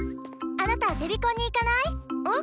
あなたデビコンに行かない？え？